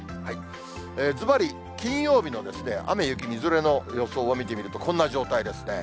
ずばり、金曜日の雨、雪、みぞれの予想を見てみると、こんな状態ですね。